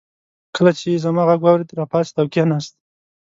کله چې يې زما غږ واورېد راپاڅېد او کېناست.